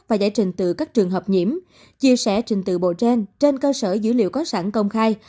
và giải trình từ các trường hợp nhiễm chia sẻ trình tự bộ trên cơ sở dữ liệu có sẵn công khai